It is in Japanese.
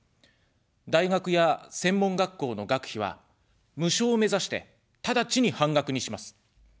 大学や専門学校の学費は無償を目指して、ただちに半額にします。